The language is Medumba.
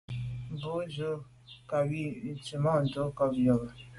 Mbwôg ndù kà nzwimàntô ghom yube.